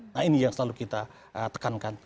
nah ini yang selalu kita tekankan